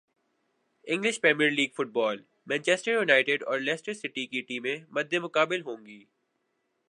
English premier league football Manchester United اور Leicester City کی ٹیمیں مدمقابل ہونگی